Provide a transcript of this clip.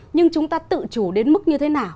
nhưng chúng ta tự chủ đến mức như thế nào